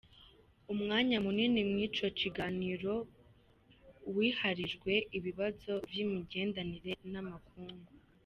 Umwanya munini muri ico kiganiro wiharijwe n’ibibazo vy’imigenderanire n’amakungu.